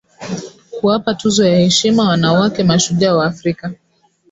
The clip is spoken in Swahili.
kuwapa tuzo ya heshima wanawake mashujaa wa Afrika